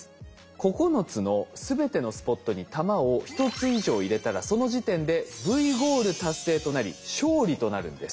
９つの全てのスポットに玉を１つ以上入れたらその時点でＶゴール達成となり勝利となるんです。